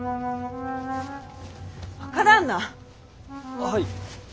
はい。